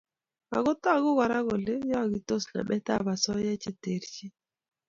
ako togu Kora kole yaakistos nametab osoya che terchin